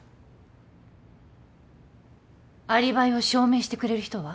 アリバイを証明してくれる人は？